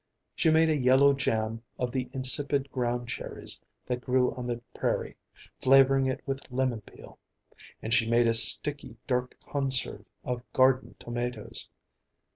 She made a yellow jam of the insipid ground cherries that grew on the prairie, flavoring it with lemon peel; and she made a sticky dark conserve of garden tomatoes.